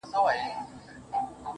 وایه، انکار کې څه، انکار وګڼم